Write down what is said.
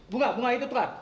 bunga itu kan